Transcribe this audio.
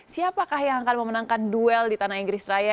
siapakah yang akan memenangkan duel di tanah inggris raya